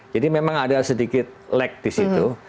jadi memang ada sedikit lag di situ